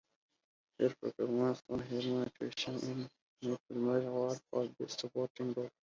Her performances won her nomination at Filmfare Awards for Best Supporting Role.